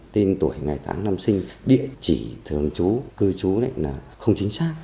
tên tuổi ngày tháng năm sinh địa chỉ thường chú cư chú này là không chính xác